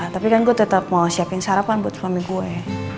tapi kan gue tetap mau siapin sarapan buat suami gue